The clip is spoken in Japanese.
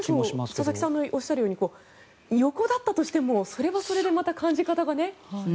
佐々木さんがおっしゃるように横だったとしてもそれはそれで、また感じ方がね。